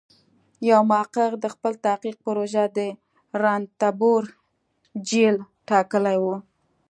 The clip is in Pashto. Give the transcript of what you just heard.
یو محقق د خپل تحقیق پروژه د رنتبور جېل ټاکلی و.